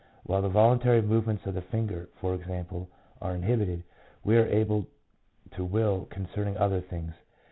While the volun tary movements of the finger, for example, are inhibited, we are able to will concerning other things.